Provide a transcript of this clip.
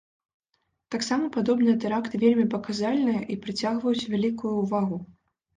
Таксама падобныя тэракты вельмі паказальныя і прыцягваюць вялікую ўвагу.